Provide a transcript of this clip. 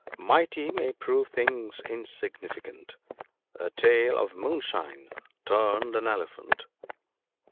91 " Mighty may prove things insignificant : A tale of moonshine turned an elephant."